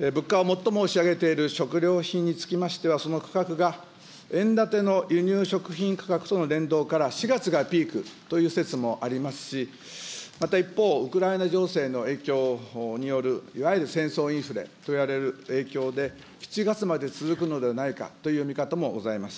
物価を最も押し上げている食料品につきましては、その価格が円建ての輸入食品価格との連動から４月がピークという説もありますし、また一方、ウクライナ情勢の影響による、いわゆる戦争インフレといわれる影響で、７月まで続くのではないかという見方もございます。